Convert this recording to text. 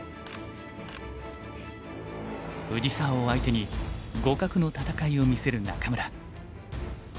藤沢を相手に互角の戦いを見せる仲邑。